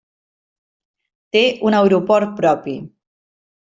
Té un aeroport propi.